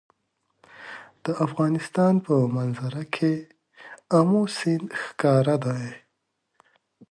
د افغانستان په منظره کې آمو سیند ښکاره دی.